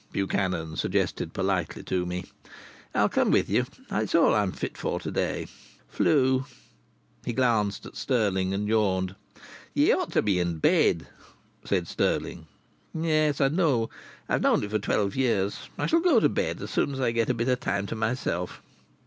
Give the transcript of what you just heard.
Buchanan suggested politely to me. "I'll come with you. It's all I'm fit for to day.... 'Flu!" He glanced at Stirling, and yawned. "Ye ought to be in bed," said Stirling. "Yes. I know. I've known it for twelve years. I shall go to bed as soon as I get a bit of time to myself.